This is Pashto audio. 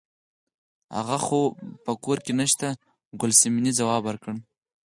هغه خو په کور کې نشته ګل صمنې ځواب ورکړ.